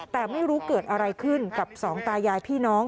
แต่ไม่รู้เกิดอะไรขึ้นกับสองตายายพี่น้อง